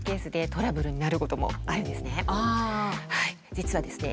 実はですね